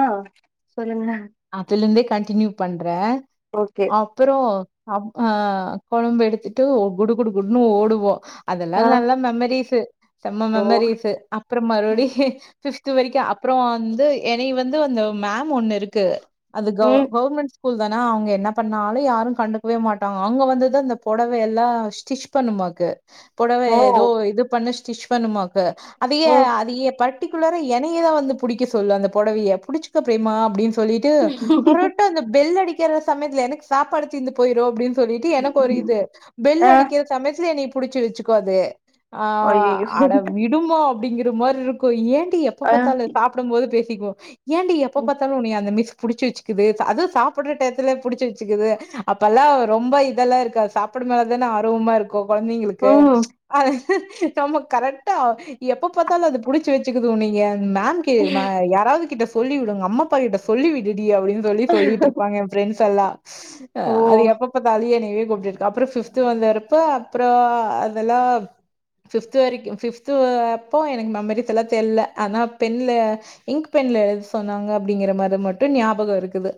ஆ சொல்லுங்களே அதுலேந்தே கண்டினியூ பண்றே ஓகே அப்றோ அப் ஆ கொழம்பு எடுத்துட்டு குடு குடு குடுன்னு ஓடுவோ அதெல்லா ஆ நல்லா மெமரிஸு செம்ம ஓ மெமரிஸு அப்றோ மறுபடி ஃபிஃப்து வரைக்கூ அப்றோ வந்து எனை வந்து அந்த மேம் ஒன்னு இருக்கு அது கௌ ம் கௌமெண்ட்ஸ் ஸ்கூல் தானா அவுங்க என்ன பண்ணாலு யாரூ கண்டுக்கவே மாட்டாங்க அங்க வந்துதா அந்த பொடவையெல்லா ஸ்டிச் பண்ணுமாக்கு பொடவ ஓ ஏதோ இது பண்ணு ஸ்டிச் பண்ணுமாக்கு அதியே ம் அதியே பட் டிகுலரா எனைய தா வந்து புடிக்க சொல்லூ அந்த பொடவைய புடிச்சுக்க ப்ரேமா அப்டின் சொல்லிட்டு கரெட்டா அந்த பெல் அடிக்கிற சமயத்துல எனக்கு சாப்பாடு தீந்து போயிரூ அப்டின் சொல்லிட்டு எனக்கு ஒரு இது பெல் ஆ அடிக்கிற சமயத்துல எனைய புடிச்சு வச்சுக்கோ அது ஆ அய்யய்யோ அட விடுமா அப்டிங்கிற மாரி இருக்கூ ஏன் டி எப்ப ஆ பாத்தாலு சாப்பிடும் போது பேசிக்குவோ ஏன்டி எப்ப ம் பாத்தாலு உனைய அந்த மிஸ் புடிச்சு வச்சுக்குது அதூ சாப்புட்ற டைத்துல புடிச்சு வச்சுக்குது அப்பெல்லா ரொம்ப இதெல்லா இருக்க சாப்டு மேல தானே ஆர்வமா இருக்கூ கொழந்தைங்களுக்கு ம் நம்ம கரெக்டா எப்ப பாத்தாலூ அது புடிச்சு வச்சுக்குது உனைய மேம்கு மே யாராவ்து கிட்ட சொல்லி விடுங்க அம்மாப்பா கிட்ட சொல்லி விடு டி அப்டின் சொல்லி சொல்லிட்ருப்பாங்க என் ஃப்ரெண்ட்ஸ் எல்லா ஓ அது எப்ப பாத்தாலு என இழு இவ அப்டிருக்கு அப்றோ ஃபிஃப்து வந்தரப்போ அப்றோ அதெல்லா ஃபிஃப்து வரைக்கூ ஃபிஃப்து அப்போ எனக்கு மெமரிஸ் எல்லா தெர்ல ஆனா பென்ல இங்க் பென் ல எழுத சொன்னாங்க அப்டிங்கிற மாரி மட்டூ ஞாபகோ இருக்குது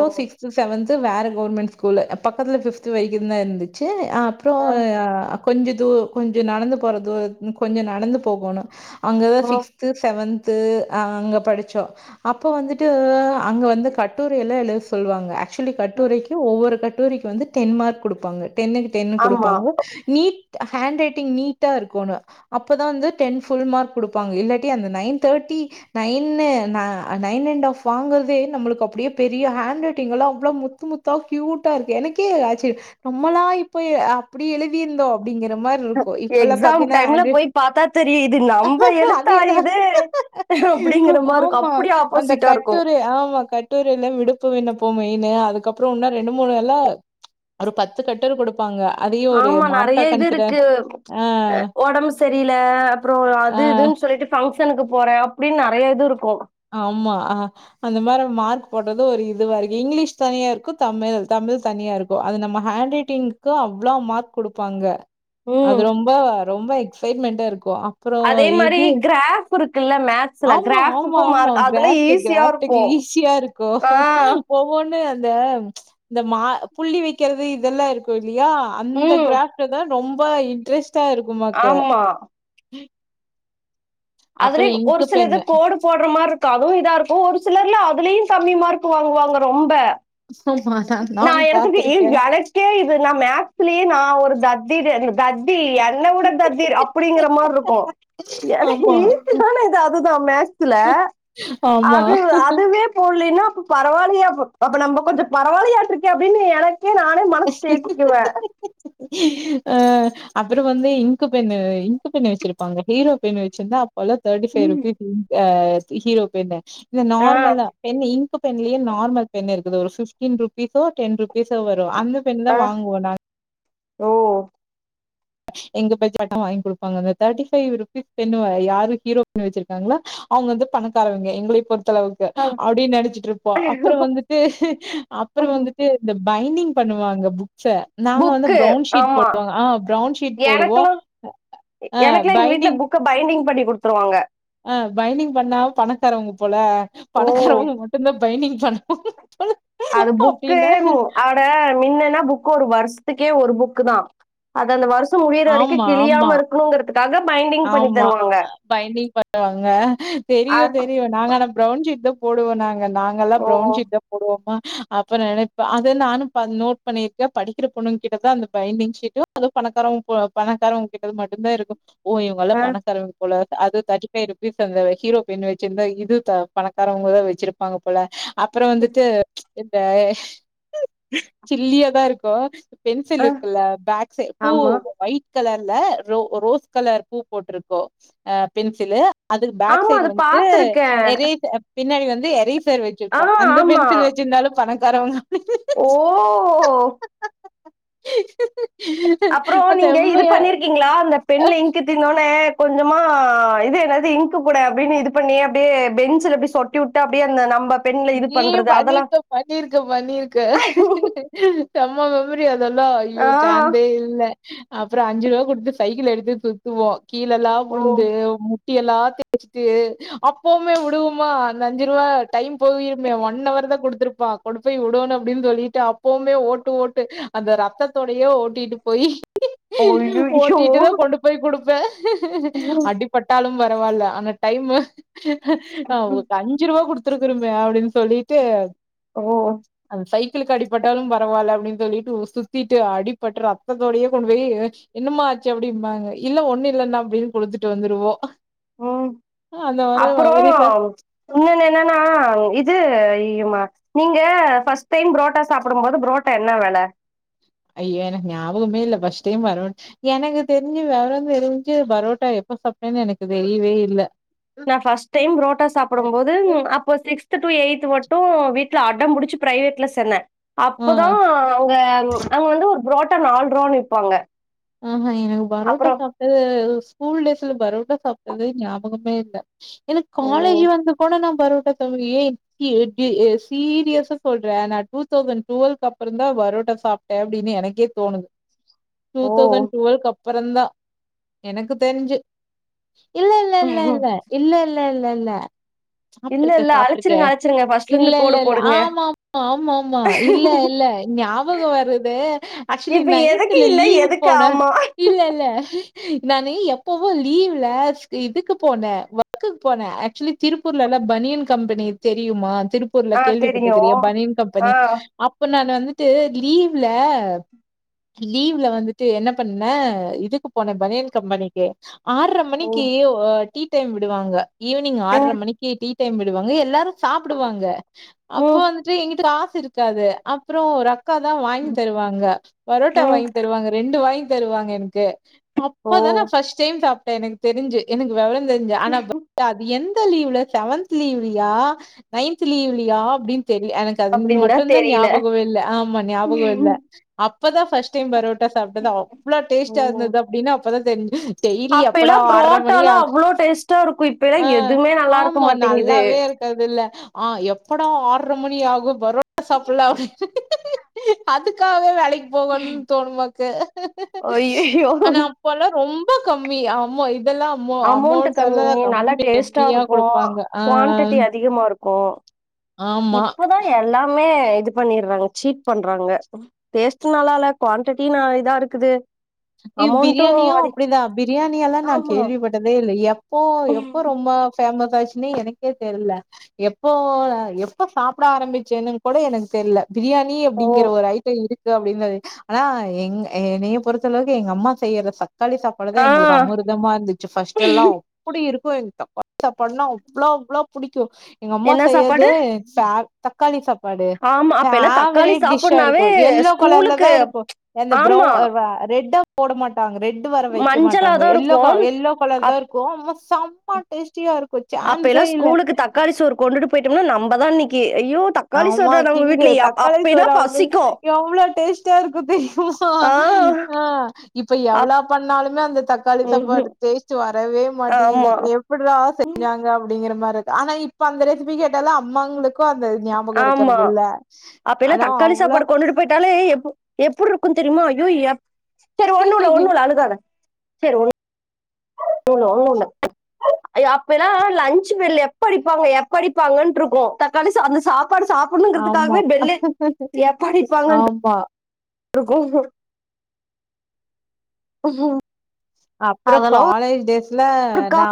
ஓ சிக்ஸ்த்து செவன்த் து வேற கௌர்மெண்ட் ஸ்கூலு பக்கத்துல ஃபிஃப்து வைக்கூ தா இர்ந்துச்சு அப்றோ ஆ கொஞ்ச தூ கொஞ்சோ நடந்து போற தூர கொஞ்சோ நடந்து போகணூ அங்கதா ம் சிக்ஸ்த்து செவன்த்து ஆ அங்க படிச்சோ அப்ப வந்துட் டு அங்க வந்து கட்டுரை எல்லா எழுத சொல்லுவாங்க ஆக்சுலி ம் கட்டுரைக்கு ஒவ்வொரு கட் டுரைக்கு வந்து டென் மார்க் குடுப்பாங்க டென்னுக்கு டென்னு ஆமா குடுப்பாங்க நீட் ஹேண்ட் ரைட்டிங் நீட்டா இருக்கோணு அப்பதா வந்து டென் ஃபுல் மார்க் குடுப்பாங்க இல்லாட்டி அந்த நைன் தேட் டி நைன்னு நா நைன் அண்ட் ஆஃப் வாங்கறதே நம்மளுக்கு அப்டியே பெரிய ஹேண்ட் ரைட்டிங்லா அவ்ள முத்து முத்தா கியூட்டாருக்கு எனக்கே ஆச்சரிய நம்மலா இப்பய அப்டி எழுதிருந்தோ அப்டிங்கிற மாரி இருக்கூ இப்பல்லா எக்ஸாம் பாத்தீன்னா டைம்ல அதேதா போய் பாத்தா தெரியு இது நம்ம எழுத்தா இது அப்டிங்கிற மாரி இருக்கு ஆமா அப்டியே அந்த ஆப்போசிட்டா கட் இருக்கு டுரை ஆமா கட்டுரையில விடுப்பு விண்ணப்போ மெயினு அதுக் அப்புறோ இன்ன ரெண்டு மூணு வேல்லா ஒரு பத்து கட்டல் கொடுப் ஆமா நெறைய இது இருக்கு ஆ அ ஒடம்பு சரியில அப்புறோ அது ஆ இது இதுன்னு சொல்லிட்டு ஃபங்க்ஷனுக்கு போற அப்டின் நெறைய இது இருக்கு ஆமா ஆ அந்த மாரி மார்க் போட்றதே ஒரு இதுவா இருக்கு இங்கிலீஷ் தனியா இருக்கு தமிழ் த மிழ் தனியா இருக்கு அது நம்ம ஹேண்ட் ரைட்டிங்கு அவ்வளா மார்க் குடுப்பாங்க ம் அது ரொம்ப ரொம்ப எக்சைட்மெண்டா இருக்கு அப்புறோ அதே மாரி இது கிராஃப் இருக்குல்ல மேக்ஸ்ல ஆமா ஆமா கிராஃபுக்கும் ஆமா மார்க் அதுல கிராஃப்ட் ஈஸியா கிராஃட்டுக்கு இருக்கு ஈஸியா இருக்கு ஆ ஒவ்வொன்னு இந்த இந்த மா புள்ளி வைக்கிறது இதெல்லா இருக்கு இல்லையா அந்த ம் கிராஃப்டு தா ரொம்ப இன்ட்ரெஸ்டா இருக்குமாக்கு ஆமா அதுலயே அப்புறம் ஒரு இங்க் சில இத பென்னு கோடு போடுற மாரி இருக்காவு இதா இருக்கு ஒரு சிலர்லா அதுலயு கம்மி மார்க் வாங்குவாங்க ரொம்ப ஆமா நான் நா நானும் எனத்துக்கு ஏ பாத்திருக்கேன் எனக்கே இது நா மேக்ஸ்லயே நா ஒரு தத் தி தெதி தத்தி என்ன விட தத்தி அப்டிங்குற மார் இருக்கு எனக் ஏ ஆமா ஈசியான இது அதுதா மேக்ஸ்ல ஆமா அது அதுவே போட்லைன்னா அப்ப பரவாயில்லயா போ அப்ப நம்ப கொஞ்சோ பரவாயில்லையாட்ருக்கே அப்டின்னு எனக் ஆ அப்புறோ வந்து இங்க்கு பென்னு இங்க்கு பென் வெச்சிருப்பாங்க ஹீரோ பென் வச்சுருந்தா அப் போலா தேர்டி ஃபை ருபீ ம் ஆ ஹீரோ பென்னு இல்ல ஆ நார்மலா பென்னு இங் க்கு பென்லயே நார்மல் பென் இருக்குது ஒரு ஃபிப்டீன் ருபீஸோ டென் ருபீஸோ வ அந்த பென் தா ஆ வாங்குவோ நாங் ஓ எங்க பட்ஜெட் ஆ [unintelligible] வாங்கி குடுப்பாங்க அந்த தேர்ட்டி ஃபைவ் ருபீஸ் பென்னு யாரு ஹீரோ பென் வச்சிருக்காங்களோ அவுங்க வந்து பணக்காரவங்க எங்களைப் பொறுத் தளவுக்கு ஆ. அப்டின் நனச்சுட்ருப்போ அப்புறோ வந்துட்டு அப்புறோ வந்துட்டு இந்த பைன்டிங் பண்ணுவாங்க புக்ஸ்ஸ நாங்க வந்து பிரவுன் ஷீட் போடுவோ ஆ பிரவுன் ஷ் ஷீட் எனக்குல்லா எ எனக்குல்லா எங்க வீட்ல பைண்டிங் புக்க பைண்டிங் பண்ணி குடுத்துருவாங்க ஆ பைண்டிங் பண்ணால் பணக்காரவங்க போல ஓ பணக்காரவங்க மட்டும் தா பைண்டிங் பண்ணு அது புக்கு மு அட மின்னெல்லா புக்கொரு வருஷ் துக்கே ஒரு புக்கு தா அது அந்த வருஷோ முடியிற வரைக்கு ஆமா ஆமா கிழியாம இருக்கணுங்குறதுக் ஆமா பைண்டிங் பண்ணுவாங்க அ தெரியு தெரியு நாங்க அனா பிரவுன் ஷீட் தா போடுவோ நாங்க நாங்கல்லா ஓ பிரவுன் ஷீட் போடுவோமா அப்புறோ நனைப்ப அது நானு ப நோட் பண்ணிருக்கே படிக்கிற பொண்ணுங்க கிட்டதா அந்த பைண்டிங் ஷீட்டு [inaudible] பணக்காரங்க பொ பணக்காரங்க கிட்ட மட்டு தா இருக்கு ஓ இவுங்கெல்லா ஆ பணக்காரங்க‌ போல அது தேர்டி ஃவைவ் ருபீஸ் அந்த ஹீரோ பென் வெச்சிருந்தா இதுவு ப பணக்காரவங்கதா வெச்சிருப்பாங்க போல அப்புறோ வந்துட்டு இப்ப சில்லியா தா இருக்கு பென்சில் ஆ இருக்குல பேக் சைட் ஆமா ஒயிட் கலர்ல ரோ ரோஸ் கலர் பூ போட்டுருக்கு ஆ பென்சிலு அதுக்கு பேக் ஆமா சைடு அது வந்துட்டு பாத்துருக்கே எரேஸ் பின்னாடி வந்து எரேஸ் சர் ஆ வெச்சிருப்பா அந்த ஆமா பென்சில் வெச்சிருந்தாலு பணக்காரவங்க ஓ அப்றோ நீங்க இது செம்மையா பண்ணிருக்கீங்களா அந்த பெண்ல இ்ங்க் தீந்தோனே கொஞ்சமா இது என்னது இங்க்கு கூட அப்டின்னு இது பண்ணி அப்டியே பெஞ்சில அப்டி சொலட்டி விட்டு அப்டியே ‌ அந்த நம்ம பெண்ல இது பண்றது அதெல்லா ம்பண்ணிருக்க பண்ணிருக்க பண்ணிருக்க செம்ம மெமரி அ தொல்லா ஐயோ ஆ சான்சே இல்ல அப்றோ அஞ்சு ரூவா குடுத்து சைக்கிள் எடுத்து சுத்துவோ கீழேல்லா ஓ வுழுந்து மு ட்டி எல்லா தேச்சுட்டு அப்பவுமே விடுவோமா அந்த அஞ்சு ரூவா டைம் போயிருனோ ஒன் அவர் தா குடுத்துருப்பா கொண்டு போய் விடோனு அப்டின்னு சொல்லிட்டு அப்பவுமே ஓட்டு ஓட்டு அந்த ரத்தோடையே ஓ ஓட்டிட்டு போய் ஐயையோ ஓட்டீட்டு தா கொண்டு போய் குடுப்பே ம் அடிப்பட்டாலும் பரவால ஆனா டைமு ஓ ம் அஞ்சு ரூவா குடுத்து ருமே அப்டினு சொல்லிட்டு ஓ க்கு அடிப்பட்டாலு பரவால அப்டின்னு சொல்லிட்டு ஊர் சுத்தீட்டு அடிப்பட்டு ரத்ததோடையே கொண்டு போயி என்ன மா ஆச்சு அப்டிம்பாங்க இல்ல ஒன்னு இல்லண்ணா அப்டின் குடுத்துட்டு வந்துருவோ ம் அப்றோ உன்னொன்னு என்னனா இது இய்மா நீங்க ஃபர்ஸ்ட் டைம் புரோட்டா சாப்பிடும் போது புரோட்டா என்ன வெல அய்யயோ எனக்கு ஞாபகமே இல்ல ஃபர்ஸ்ட் ‌டைம் பரோ எனக்கு தெரிஞ்சு வெவறந் தெரிஞ்சு பரோட்டா எப்ப சாப்டேன் எனக்கு தெரியவே இல்ல நா ஃபர்ஸ்ட் டைம் ப்ரோட்டா சாப்பிடும் போது அப்போ சிக்ஸ்த் டு எய்த் மட் டு வீட்ல அடம் புடிச்சு பிரைவேட்ல சேந்த ஆ. அப்பதா அங்க அங்க வந்து ஒரு ப்ரோட்டா நால்ட்ருவான் விப்பாங்க ஆ ஆ எனக்கு பரோட்டா அப்புறோ சாப்ட்டது ஸ்கூல் டேஸ்ல பரோட்டா சாப்ட்டது ஞாபகமே இல்ல எனக் ஓ காலேஜ் வந்து கூட நா பரோட்டா தோண்லயே கி எ கி எ சீரியஸா சொல்ட்றே நா டூ தௌசண்ட் டுவல் அப்றந்தா பரோட்டா சாப்ட்டே அப்டினு எனக்கே தோணுது டூ ஓ தௌசண்ட் டுவெல் கப்புறந்தா எனக்கு தெரிஞ்சு இல்ல இல்ல இல்ல இல்ல இல்ல இல்ல இல்ல இல்ல இல்ல சாப்பிட்ருக்கே இல்ல சாப்பிட்ருக்கே அழிச்சிருங்க அழிச்சிருங்க ஃபர்ஸ்ட்ல இல்ல இருந்து இல்ல கோடு இல்ல போடுங்க ஆமா ஆமா ஆமா ஆமா இல்ல இல்ல ஞாபகோ வருது ஆக்சுலி இப்ப எதுக்கு நைன்த்ல இல்ல லீவுக்கு எதுக்கு போன ஆமா இல்ல இல்ல நானு எப்பவு லீவ்ல இதுக்கு போனே ஒர்க்கு போனே ஆக்சுலி திருப்பூர்ல பனியன் கம்பெனி தெரியுமா திருப்பூர்ல ஆ தெரியு கேள்விப்பட்ருகறயா பனியன் ஆ கம்பெனி அப்ப நானு வந்து ட்டு லீவ்ல லீவ்ல வந்து ட்டு என்ன பண்ணே இதுக்கு போனே பனியன் கம்பெனிக்கு ஆறர மணிக்கு ம் அ டீ டைம் விடுவாங்க ஈவினிங் ஆர்ர ம் மணிக்கு டீ டைம் விடுவாங்க எல்லாரு சாப்பிடுவாங்க அப்போ ம் வந்துட்டு எங்கிட்ட காசு இருக்காது அப்றோ ஒரு அக் கா தா வாங்கி தருவாங்க பரோட்டா ம் வாங்கி தருவாங்க ரெண்டு வாங்கி தருவாங்க எனக்கு ஓ அப்பதா நா ஃபர்ஸ்ட் டைம் சாப்ட்டே எனக்கு தெரிஞ்சு எனக்கு வெவர தெரிஞ்சி ஆனா [inaudible] அது எந் த லீவ்ல செவன்த் லீவ்லையா நைன்த் லீவ்லையா அப்டின் தெரி எனக்கு அது அப்டின்தா மட்டுதா தெரியல ஞாபகோ இல்ல ஆமா ஞாபகோ இல்ல அப்பதா ஃபஸ்ட் டைம் பரோ ட்டா சாப்ட்டது அவ்ளோ டேஸ்டா ம் இருந்தது அப்டினு அப்ப தா தெரிஞ்சது டெய்லி எப்படா அப்பைலா ஆறர மணி புரோட்டாலா ஆகு அவ்ளோ டேஸ்ட்டா இருக்கு இப்பைலா அ எதுமே நல்லா இருக்க ஆமா மாட்டேங்குது நல்லாவே இருக் கறதில்ல ஆ எப்படா ஆறர மணி ஆகு பரோட்டா சாப்பிட்லா அதுக்காகவே வேலைக்கு போகணுன் தோணுமா ஐயையோ ஆனா அப்பல்லா ரொம்ப கம்மி ஆமா இ இதெல்லா அம அமௌண்ட் எல்லா கம்மி கம்மியா குடுப்பாங்க அ அ கோ இப்பதா எல்லாமே இது பண்ணிடுறாங்க சீட் பண்றாங்க டேஸ்ட் நல்லா இல்ல குவான்டிட்டி ந இதா இருக்குது இ அமௌண்ட்டு பிரியாணியு அதி அப்டிதா பிரியாணியெல்லா நா ஆமா கேள்விப்பட்டதே இல்ல எப்போ எப்போ ரொம்ப பேஃமஸ் ஆச்சுன்னே எனக்கே தெர்ல எப்போ எப்போ சாப்பிட ஆரம்பிச்சேன்னு கூட எனக்கு தெர்ல பிரியாணி ஓ அப்படிங்கிற ஒரு ஐட்டோ இருக்கு அப்டின்றது ஆனா எங் எனைய பொறுத்த ளவுக்கு எங்க அம்மா செய்யற தக்காளி சாப்பாடு தா ஆ எங்களுக்கு அமிர்தமா இருந்துச்சு ஃபஸ்டெல்லா அப்டி இருக் கு [inaudible] சாப்படுனா அவ்ளோ அவ்ளோ புடிக்கு எங்க அம்மா என்ன செய்யறது சாப்பாடு [unintelligible] தக்காளி சாப் சாப்பாடு ஆமா அப்ப எல்லா தக்காளி ஃபேவரட் டிஷ்ஷா சாப்புட்னாவே இருக்கு எல்லோ கலர்ல தா ஸ்கூலுக்கு இருக்கு அந்த ப்ரௌவ் ஆமா இ வ ரெட்டா போட மாட்டாங்க ரெட் வர வெக்க மாட்டாங்க மஞ்சளாதா எல்லோ க இருக்கு எல்லோ கலர் தா இருக்கு சம்ம டேஸ்டியா இருக் அப்ப எல்லாம் ஸ்கூலுக்கு தக்காளி சோர் கொண்டுட்டு போயிட்டோம்னா நம்மதான் அன்னைக்கு ஆமா கிங்கு தக்காளி அப்பேன்னா சோறா பசிக்கும். அ அவ்வளோ டேஸ்டா இருக்கு தெரியுமா ஆ ஆ இப்ப அப் எவ்வளோ பண்ணாலு அந்த தக்காளி ம்ஹ்ம். சாப்பாடு டேஸ்ட் வரவே மாட்டேங்குது ஆமா. எப்பட்றா ம். செஞ்சாங்க அப்படிங்கிற மாதிரி ஆனா இப்ப அந்த ரெசிபி கேட்டாலும் அம்மாங்களுக்கு அந்த ஞாபகோ ஆமா இருக்கறது இல்ல அப்ப எல்லாம் ஆனா தக்காளி அவ்ளோ சாப்பாடு கொண்டுட்டு போயிட்டாலே எப்படி இருக்கும்ன்னு தெரியுமா அய்யோ சரி ஒண்ணுல ஒண்ணு இல்ல அழுகாத சரி ஒண்ணு உ ஒன்னுல [unintelligible] அப்பலா லச்சு பெல் எப்ப அடிப்பாங்க எப்ப அடிப்பாங்க இருக்கும் தக்காளி சாதம் சப்பாடு ஆமா சாப்பிடணுங்கறதுக்காகவே பெல்லு எப்ப அடிப்பாங்க ஆமா இருக்கு உஹ அப்புறம் காலேஜ் டேஸ்ல நா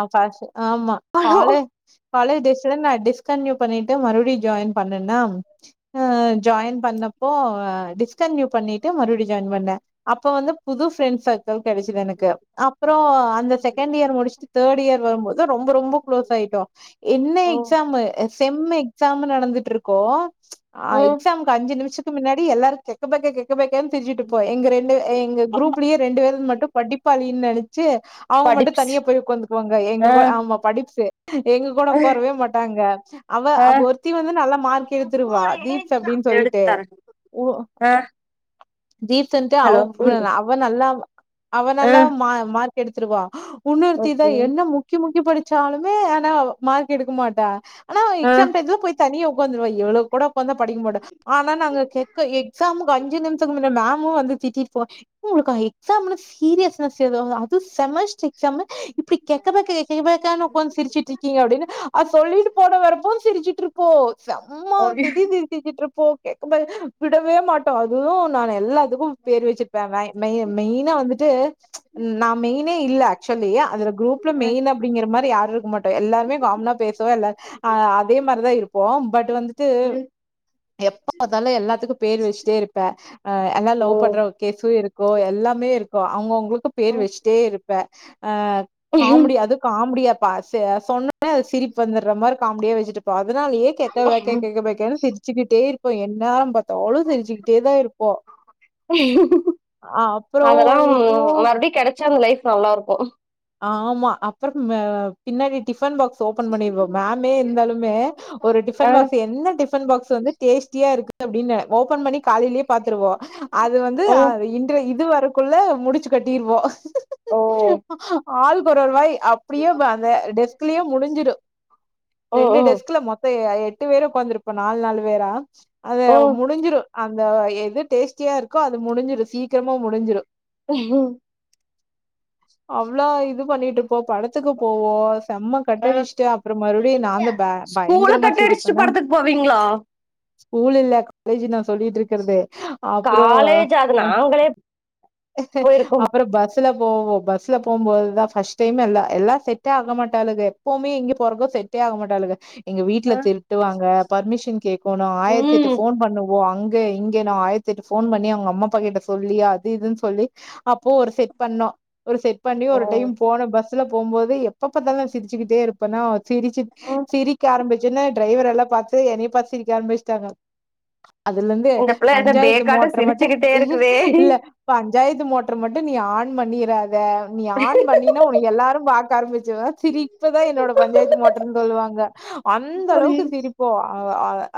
ஆமா கால பயம். காலேஜ் டேஸ்ல நா டிஸ்கன்டினியு பண்ணிட்டு மறுபடியும் ஜாயின் பண்ணனா ஆ ஜாயின் பண்ணி அப்போ டிஸ்கண்டினியுபண்ணிட்டு மறுபடியும் ஜாயின் பண்ணே அப்ப வந்து புது ப்ரெண்ட் சர்க்கிள் கிடைச்சது எனக்கு அப்புறம் அந்த செகண்ட் இயர் முடிச்சுட்டு தேர்ட் இயர் வரும்போது ரொம்ப ரொம்ப க்ளோஸ் ஆயிட்டோ என்ன ஓ எக்ஸாம் அம்மு செம்மு எக்ஸாம் நடந்துட்ருக்கோ ம் எக்ஸாம்க்கு அஞ்சு நிமிஷத்துக்கு முன்னாடி எல்லாரும் கெக்க பெக்க கெக் பெக்கேனு திரிஞ்சுட்ருப்போ எங்க ரெண்டு எங்க குரூப்லயே ரெண்டு பேர் மட்டும் படிப்பாலி நெனச்சு அவங்க மட்டும் படிப்ஸ் தனியா போய் உக்காந்துக்குவாங்க ஆ எங்க கு ஆமா படிப்ஸ்ஸு எங்க கூட உக்காரவே மாட்டாங்க அவ ஆ அவ ஒருத்தி வந்து நல்லா மார்க்கெடுத்துருவா தீப்ஸ் அப்டி எடுத்து தர ஓ தீப்ஸ்சன்ட்டு அவ ஹலோ அவனல்லா ஆ அவனெல்லாம் மா மார்க்கெடுத்துருவா உன்னுர்த்திதா ஓகே என்ன முக்கி முக்கி படிச்சாலுமே ஆனா மார்க் எடுக்க மாட்டா ஆன ஆ எக்ஸாம் டையத்துல போய் தனியா உக்காந்துர்வா இவ்ழொ கூட வந்த படிக்க மாட்டா ஆனா நாங்க கேக் எக்ஸாம்க்கு அஞ்சு நிமி நாமு வந்து திட்டிப்போம் உங்களுக்கு எக்ஸாம்னு சீரியஸ்னஸ் ஏதாது அதுவு செமஸ்ட எக்சாம்மு இப்டி கெக்க பெக்க கெக்க பெக்கான் உக்காந்து சிரிச்சிட்ருக்கயே அப்படின்னு அது சொல்லிட்டு போர வரப்போ சிரிச்சுட்ருப்போ செம்ம ஓகே திடீர் சிருச்சிட்ருப்போ கெக்க புக் விடவே மாட்டோ அதுவும் நா எல்லாத்துக்கும் பேர் வச்சிருப்பே மேய் மெயினா வந்து ட்டூ நா மெயினே இல்ல ஆக்சொலி அதுல குரூப்ல ம் மெயின் அப்படிங்கற மாரி யார் இருக்க மாட்டோ எல்லாருமே காமனா பேசுவோ எல்ல அதே மாரிதா இருப்போ பட் வந்து ம் எப்ப பாதாலும் எல்லாத்துக்கும் பேர் வச்சுட்டே இருப்பே அ எல்லாம் ஓ லவ் பண்ற கேஸு இருக்கு எல்லாமே இருக்கு அவங்கவுங்களுக்கு பேர் வச்சுட்டே இருப்ப ஆ காமெடி அது காமெடியா பா சொன்னோனே அது சிரிப்பு வந்துட்ற மாரி காமடியா வச்சுட்டுப்போம் அதனாலயே கெக்க பெக்க கெக்க பெக்கனு சிரிச்சுக்கிட்டே இருக் இப்போ என் நேரம் பாத்தாலு சிரி்சுக்கிட்டே தா இருப்போ ஆ அப்புறோ அதெல்லா ஏதோ மறுபடியும் கெடச்சா அந்த லைஃப் நல்லாருக்கு ஆ ஆமா அப்புறம் பின்னாடி டிப் டிப்பன் பாக்ஸ் ஓபன் பண்ணீர்வொ மேமே இருந்தாலுமே ஒரு டிபன் ஆ பாக்ஸ் எந்த டிபன் பாக்ஸ் வந்து டேஸ்டியா இருக்கு அப்படின்னு ஓபன் பண்ணி காலையிலயே பாத்துருவோ அது வந்து ஓ இன்று இது வர க்குள்ள முடிச்சு கட்டிருவோ ஓ ஆளுக் கொரர்வாய் அப்படியே அந்த டெஸ்க்லயே முடிஞ்சிரு ஓ எங்க ஓ டெஸ்க்ல மொத்த எட்டு பேரு உக்காந்துருப்ப நால் நால் வேரா அத ஓ முடிஞ்சிரு அந்த எது டேஸ்ட்டியா ருக்கோ அது முடிஞ்சிரு சீக்கிரமா முடிஞ்சிரு அவ்ளோ இது பண்ணிட்ருப்போ படத்துக்கு போவோ செம்ம ஆ கட்டடிச்ட்டு அப்புற மறுபடியு நாந்தா பேக் ஸ்கூல கட்டடிச்சுட்டு படத்துக்கு போவிங்ளா ஸ்கூல் இல்ல காலேஜு நா சொல்லிட்ருக்கறது அப்ற காலேஜ் அது அ நாங்களே போயிருக்கோ அப்புற பஸ் ல போவோ பஸ் ல போம் போதுதா ஃபஸ்ட் டைம் எல்லா எல்லா செட்டே ஆக மாட்டாளுக எப்பவுமே எங்கே போறக்கு செட்டே ஆக மாட்டாளுக எங்க வீடல ஆ திருட்டுவாங்க பர்மிஷன் கேக்கோணு ஆயிரத்தெட்டு ம் ஃபோன் பண்ணுவோ அங் க இங்கனு ஆயிரத்தெட்டு ஃபோன் பண்ணி அவங்க அம்மா அப்பா கிட்ட சொல்லி அது இதுன்னு சொல்லி அப்போ ஒரு செட் பண்ணோ ஒரு செட் பண்ணி ஓ ஒரு டைம் போன பஸ்ல போம்போது எப்ப பாத்தாலு நா சிரிச்சுகிட்டே இருப்பன்னா சிரிச்சு ம் சிரிக்க ஆரம்பிச்சன்னா டிரைவரல்லா பாத்து என்னய பாத்து சிரிக்க ஆரம்பிச்சுட்டாங்க அதுலருந்து இந்த பிள்ள என்ன பஞ்சாயத்து பேக்காட்ட மோட்ர மட்டு சிரிச்சுக்கிட்டே இருக்குதே இல்ல பஞ்சாயத்து மோட்ர மட்டு நீ ஆன் பண்ணிராத நீ ஆன் பண்ணினா உன்ன எல்லாரு பாக்க ஆரம்பிச் சிருவோ சிரிப்புதா என்னோட பஞ்சாயத்து மோட்ருன் சொல்லுவாங்க அந்த ஐயோ அளவுக்கு சிரிப்போ அ அ